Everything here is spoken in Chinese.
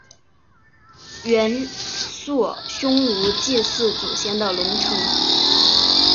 元朔匈奴祭祀祖先的龙城。